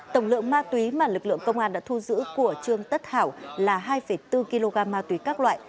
tổng lượng ma túy mà lực lượng công an đã thu giữ của trương tất hảo là hai bốn kg ma túy các loại